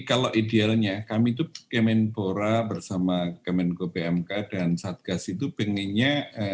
kalau idealnya kami itu kemenpora bersama kemenko pmk dan satgas itu pengennya